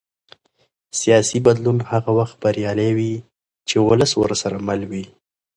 سیاسي بدلون هغه وخت بریالی وي چې ولس ورسره مل وي